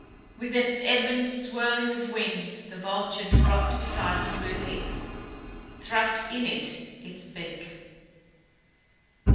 With an ebon swirling of wings the vulture dropped beside the blue heap thrust in it its beak.